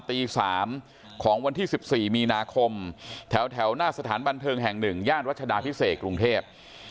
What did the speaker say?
ตี๓ของวันที่๑๔มีนาคมแถวหน้าสถานบันเทิงแห่ง๑ย่านรัชดาพิเศษกรุงเทพ